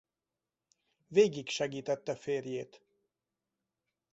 Végig segítette férjét.